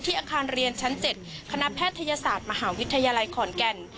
อาคารเรียนชั้น๗คณะแพทยศาสตร์มหาวิทยาลัยขอนแก่น